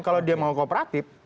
kalau dia mau kooperatif